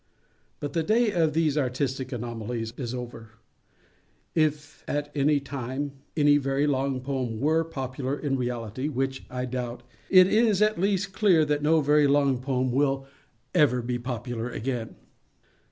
But the day of these artistic anomalies is over. If, at any time, any very long poem _were _popular in reality, which I doubt, it is at least clear that no very long poem will ever be popular again.